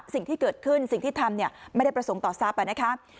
สิ่งที่เกิดขึ้นสิ่งที่ทำเนี่ยไม่ได้ประสงค์ต่อทราบไปนะคะ